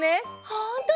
ほんとだ！